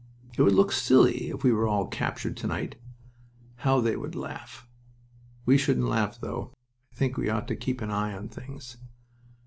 "It would look silly if we were all captured to night. How they would laugh!" "We shouldn't laugh, though. I think we ought to keep an eye on things."